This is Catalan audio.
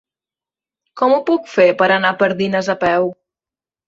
Com ho puc fer per anar a Pardines a peu?